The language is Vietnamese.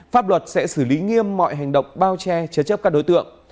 pháp luật sẽ xử lý nghiêm mọi hành động bao che chế chấp các đối tượng